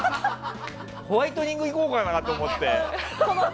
ホワイトニング行こうかなと思って。